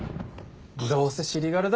どうせ尻軽だろ。